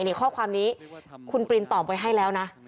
นี่ข้อความนี้คุณปรินตอบไว้ให้แล้วนะ